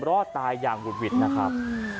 รอดตายอย่างหุดหวิดนะครับ